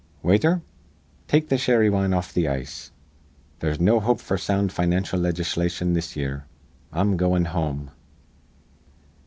Waither, take th' sherry wine off th' ice. They'se no hope f'r sound financial legislation this year. I'm goin' home.'